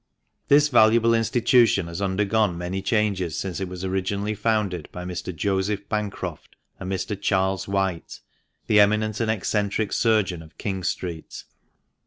— This valuable institution has undergone many changes since it was originally founded by Mr. Joseph Bancroft and Mr. Charles White, the eminent and eccentric surgeon of King Street.